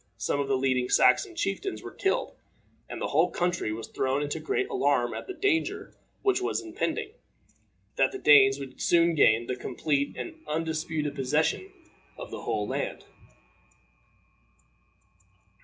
Some of the leading Saxon chieftains were killed, and the whole country was thrown into great alarm at the danger which was impending, that the Danes would soon gain the complete and undisputed possession of the whole land.